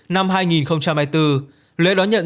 năm hai nghìn hai mươi bốn lễ đó nhận